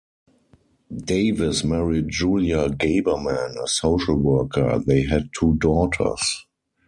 Davis married Julia Gaberman, a social worker; they had two daughters.